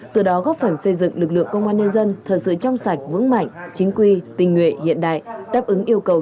từ đó góp phần xây dựng lực lượng công an nhân dân thật sự trong sạch vững mạnh chính quy tình nguyện hiện đại đáp ứng yêu cầu